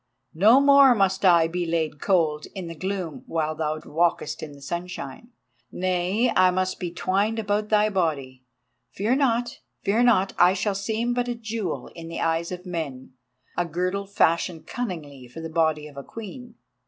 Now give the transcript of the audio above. No more must I be laid cold in the gloom while thou walkest in the sunshine—nay, I must be twined about thy body. Fear not, fear not, I shall seem but a jewel in the eyes of men, a girdle fashioned cunningly for the body of a queen.